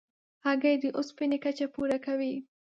هګۍ د اوسپنې کچه پوره کوي.